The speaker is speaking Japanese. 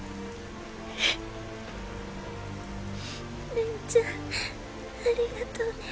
レイちゃんありがとうね